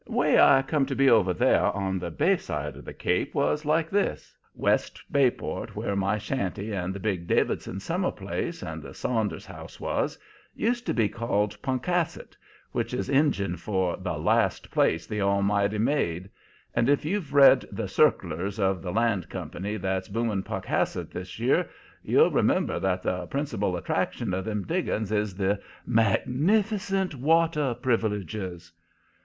"'Way I come to be over there on the bay side of the Cape was like this. West Bayport, where my shanty and the big Davidson summer place and the Saunders' house was, used to be called Punkhassett which is Injun for 'The last place the Almighty made' and if you've read the circulars of the land company that's booming Punkhassett this year, you'll remember that the principal attraction of them diggings is the 'magnificent water privileges.'